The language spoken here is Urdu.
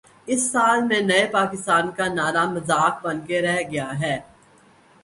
اس ایک سال میں نئے پاکستان کا نعرہ مذاق بن کے رہ گیا ہے۔